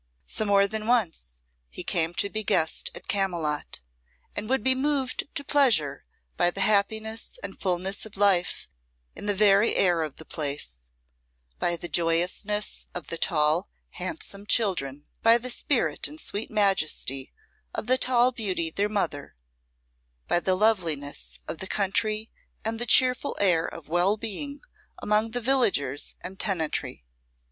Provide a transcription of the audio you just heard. So more than once he came to be guest at Camylott, and would be moved to pleasure by the happiness and fulness of life in the very air of the place, by the joyousness of the tall, handsome children, by the spirit and sweet majesty of the tall beauty their mother, by the loveliness of the country and the cheerful air of well being among the villagers and tenantry.